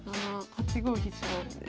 ８五飛車で。